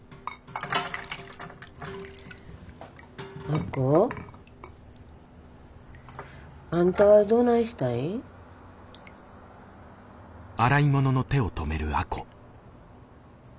亜子。あんたはどないしたいん？